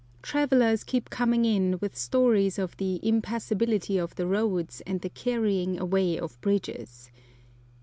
Travellers keep coming in with stories of the impassability of the roads and the carrying away of bridges.